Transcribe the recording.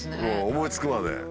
思いつくまで。